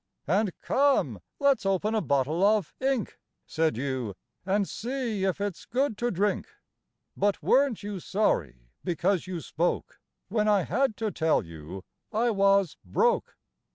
And "Come, let's open a bottle of ink," Said you, "and see if it's good to drink." But weren't you sorry because you spoke When I had to tell you I was "broke"?